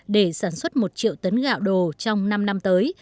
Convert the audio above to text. để sản xuất một triệu tấn gạo đồ trong năm năm tới